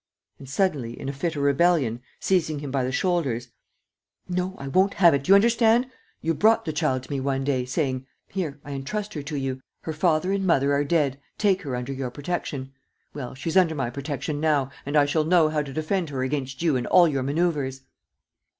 ..." And, suddenly, in a fit of rebellion, seizing him by the shoulders, "No, I won't have it, do you understand? You brought the child to me one day, saying, 'Here, I entrust her to you ... her father and mother are dead ... take her under your protection.' Well, she's under my protection now and I shall know how to defend her against you and all your manœuvers!"